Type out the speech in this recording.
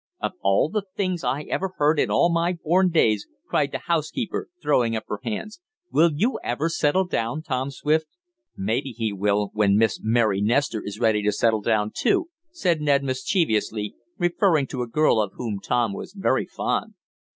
"Oh, of all things I ever heard in all my born days!" cried the housekeeper, throwing up her hands. "Will you ever settle down, Tom Swift?" "Maybe he will when Miss Mary Nestor is ready to settle down too," said Ned mischievously, referring to a girl of whom Tom was very fond.